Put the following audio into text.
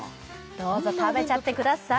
どうぞ食べちゃってください！